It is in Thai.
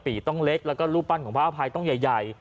ต้องเล็กแล้วก็รูปปั้นของพระอภัยต้องใหญ่